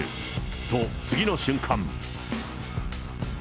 と、次の瞬間。